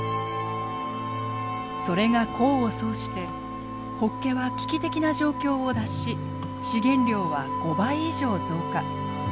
それが功を奏してホッケは危機的な状況を脱し資源量は５倍以上増加。